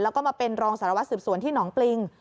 แล้วก็มาเป็นรองสารวัสสืบสวนที่หนองปริง